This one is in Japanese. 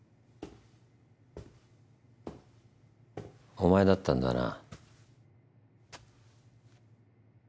・お前だったんだな。